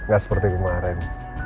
gak seperti kemarin